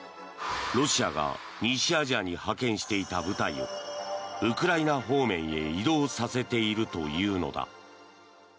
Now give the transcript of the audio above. ロシアが西アジアに派遣していた部隊をウクライナ方面へ移動させているというのだ。